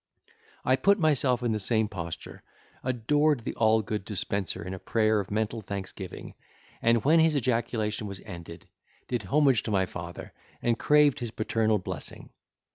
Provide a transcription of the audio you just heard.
I put myself in the same posture, adored the all good Dispenser in a prayer of mental thanksgiving: and when his ejaculation was ended, did homage to my father, and craved his paternal blessing.